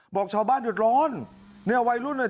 บอกชาวบ้านเดือดร้อนเนี่ยวัยรุ่นอ่ะ